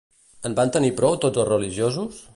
En van tenir prou tots els religiosos?